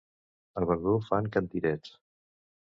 A Verdú fan cantirets.